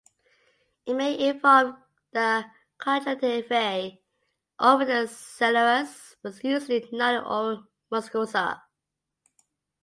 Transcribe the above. It may involve the conjunctivae over the scleras but usually not the oral mucosa.